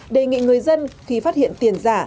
đề nghị người dân khi phát hiện tiền giả